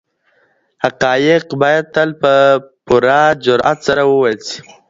حقایق باید تل په پوره جرات سره وویل سی.